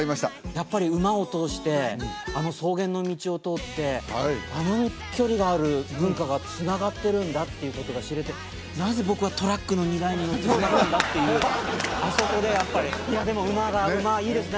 やっぱり馬を通してあの草原の道を通ってあの距離がある文化がつながってるんだっていうことが知れてなぜ僕はトラックの荷台に乗ってしまったんだっていうあそこでやっぱりいやでも馬はいいですね